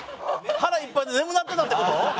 腹いっぱいで眠なってたって事？